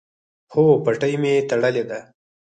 هو، پټۍ می تړلې ده